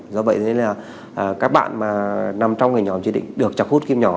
do vậy nên là các bạn mà nằm trong cái nhóm chế định được chọc hút kim nhỏ